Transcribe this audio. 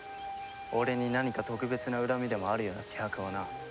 俺に何か特別な恨みでもあるような気迫をな。